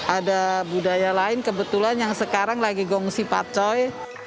ada budaya lain kebetulan yang sekarang lagi gongsi pacoy